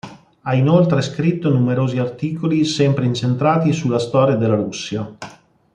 Ha inoltre scritto numerosi articoli sempre incentrati sulla storia della Russia.